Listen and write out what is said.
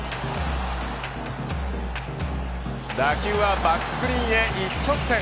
打球はバックスクリーンへ一直線。